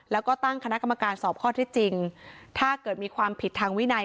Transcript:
แล้วก็ตั้งคณะกรรมการสอบข้อที่จริงถ้าเกิดมีความผิดทางวินัย